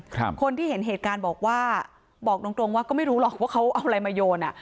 คนที่เห็นเหตุการณ์บอกว่าบอกตรงตรงว่าก็ไม่รู้หรอกว่าเขาเอาอะไรมาโยนอ่ะ